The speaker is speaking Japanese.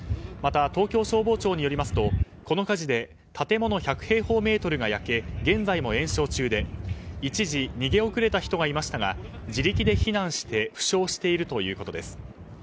また東京消防庁によりますとこの火事で建物１００平方メートルが焼け現在も延焼中で一時、逃げ遅れた人がいましたが自力で避難して負傷しているということです。